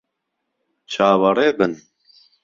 چاوەڕێ بن!